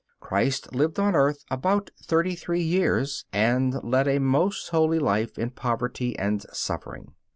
Christ lived on earth about thirty three years, and led a most holy life in poverty and suffering.